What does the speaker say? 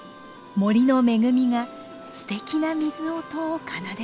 森の恵みがすてきな水音を奏でます。